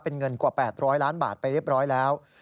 เป็นเงินกว่า๘๐๐ล้านบาทไปเรียบร้อยแล้ว